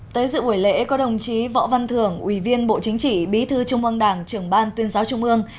tới dự buổi lễ có đồng chí võ văn thưởng ủy viên bộ chính trị bí thư trung ương đảng trưởng ban tuyên giáo trung ương